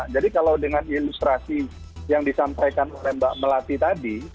jadi kalau dengan ilustrasi yang disampaikan oleh mbak melati tadi